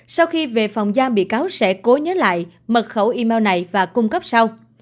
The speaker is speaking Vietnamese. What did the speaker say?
sau khi về phòng giam bị cáo sẽ cố nhớ lại mật khẩu email này và cung cấp sau